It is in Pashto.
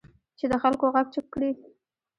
چې د خلکو غږ چپ کړي